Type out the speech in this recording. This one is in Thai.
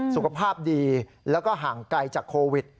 สุขภาพดีแล้วก็ห่างไกลจากโควิด